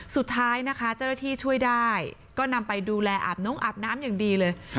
สุดท้ายนะคะเจ้าหน้าที่ช่วยได้ก็นำไปดูแลอาบน้องอาบน้ำอย่างดีเลย